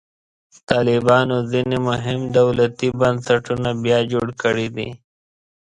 طالبانو ځینې مهم دولتي بنسټونه بیا جوړ کړي دي.